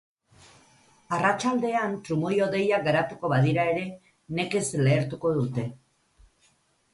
Arratsaldean trumoi-hodeiak garatuko badira ere nekez lehertuko dute.